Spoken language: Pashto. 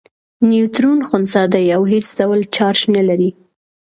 نیوټرون خنثی دی او هیڅ ډول چارچ نلري.